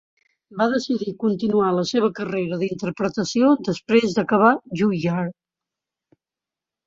Va decidir continuar la seva carrera d'interpretació després d'acabar Juilliard.